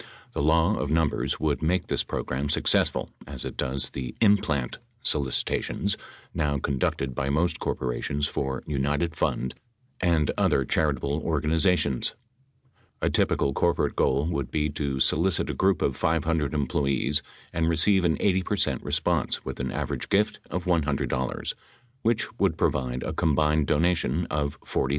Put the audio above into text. The law of num bers would make this program successful as it does the "in plant" solicitations now conducted by most corporations for united Fund and other charitable organizations. A typical corporate goal would be to solicit a group of 500 employees and receive an 80 percent response with an average gift of $100 which would provide a combined donation of $40,000.